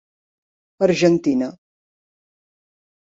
Argentina.